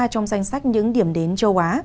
trong danh sách những điểm đến châu á